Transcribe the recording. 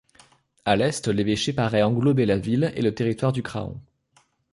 À l'est, l'évêché parait englober la ville et le territoire de Craon.